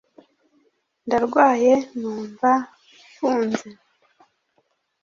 ndarwaye numva mfunze